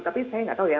tapi saya nggak tahu ya